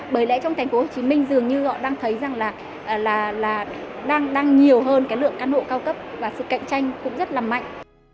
bởi lẽ trong tp hcm dường như họ đang thấy rằng là đang nhiều hơn cái lượng căn hộ cao cấp và sự cạnh tranh cũng rất là mạnh